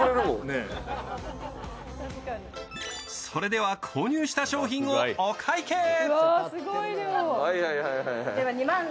それでは購入した商品をお会計。